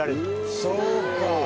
そうか。